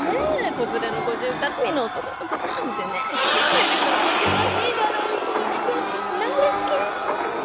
子連れの５０がらみの男のとこなんてね来てくれる人も難しいだろうしで何だっけ？